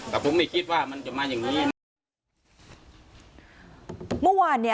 แต่ผมไม่คิดว่ามันจะมาอย่างนี้